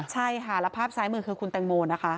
ใช่ค่ะแล้วภาพซ้ายมือคือคุณแตงโมนะคะ